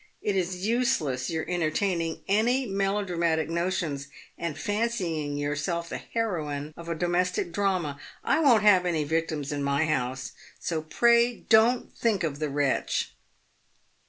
It is useless your entertain ing any melodramatic notions, and fancying yourself the heroine of a domestic drama. I won't have any victims in my house, so pray don't think of the wretch."